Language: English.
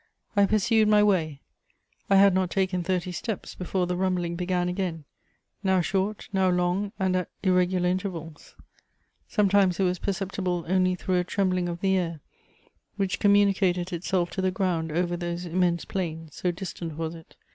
I pursued my way: I had not taken thirty steps before the rumbling began again, now short, now long and at irregular intervals; sometimes it was perceptible only through a trembling of the air, which communicated itself to the ground over those immense plains, so distant was it.